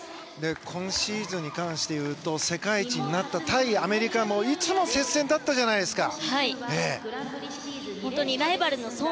今シーズンに関しては世界一になった対アメリカもいつも接戦だったじゃないですか。